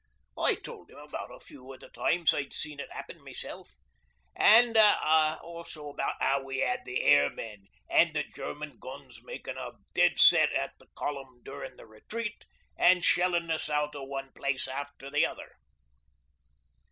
I told 'im about a few o' the times I'd seen it happen myself, an' also about how we had the airmen an' the German guns makin' a dead set at the Column durin' the Retreat an' shellin' us out o' one place after the other.